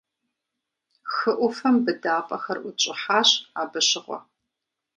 Хы Ӏуфэм быдапӀэхэр ӀутщӀыхьащ абы щыгъуэ.